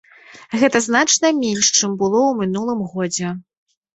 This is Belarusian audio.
Гэта значна менш, чым было ў мінулым годзе.